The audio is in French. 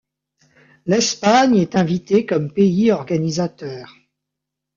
L'Espagne est invitée comme pays organisateur.